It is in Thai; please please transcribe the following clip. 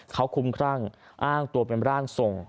เขาคุ้มครั่งอ้างตัวเป็นร่างทรง